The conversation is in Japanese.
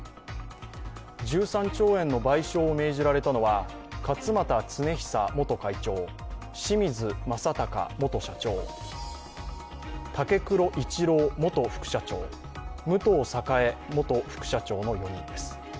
１３兆円の賠償を命じられたのは勝俣恒久元会長清水正孝元社長、武黒一郎元副社長、武藤栄元副社長の４人です。